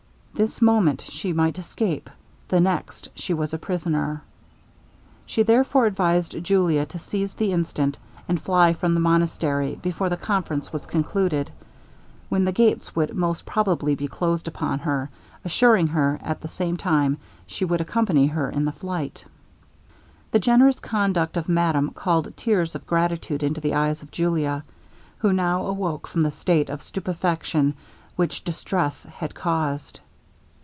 this moment she might escape the next she was a prisoner. She therefore advised Julia to seize the instant, and fly from the monastery before the conference was concluded, when the gates would most probably be closed upon her, assuring her, at the same time, she would accompany her in flight. The generous conduct of madame called tears of gratitude into the eyes of Julia, who now awoke from the state of stupefaction which distress had caused.